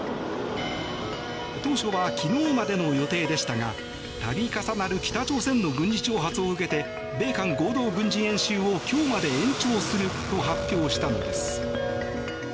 当初は昨日までの予定でしたが度重なる北朝鮮の軍事挑発を受けて米韓合同軍事演習を今日まで延長すると発表したのです。